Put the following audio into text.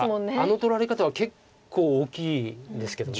あの取られ方は結構大きいですけど。